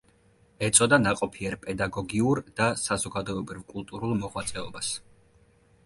ეწოდა ნაყოფიერ პედაგოგიურ და საზოგადოებრივ–კულტურულ მოღვაწეობას.